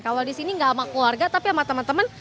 kalau di sini gak sama keluarga tapi sama temen temen